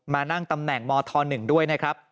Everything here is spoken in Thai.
มานั่งตำแหน่งมธ๑ด้วย